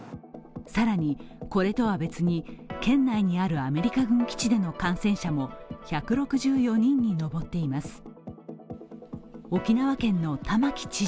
更にこれとは別に県内にあるアメリカ軍基地での感染者も１６４人に上っています。